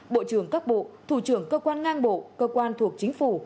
bộ trưởng các bộ thủ trưởng cơ quan ngang bộ cơ quan thuộc chính phủ